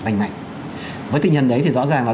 lành mạnh với tự nhân đấy thì rõ ràng là